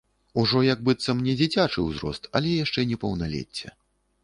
Ужо, як быццам, не дзіцячы ўзрост, але яшчэ не паўналецце.